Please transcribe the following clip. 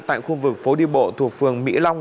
tại khu vực phố đi bộ thuộc phường mỹ long